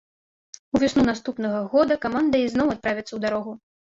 А ўвесну наступнага года каманда ізноў адправіцца ў дарогу.